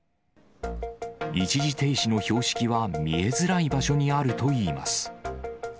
一時停止の標識は見えづらい場所にあるといいます。